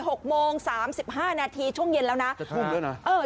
หกโมงสามสิบห้านาทีช่วงเย็นแล้วนะจะทุ่มด้วยนะเออ